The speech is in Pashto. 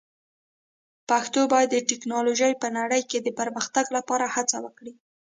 پښتو باید د ټکنالوژۍ په نړۍ کې د پرمختګ لپاره هڅه وکړي.